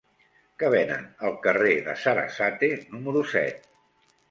Què venen al carrer de Sarasate número set?